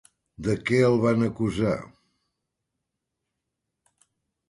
De què el van acusar?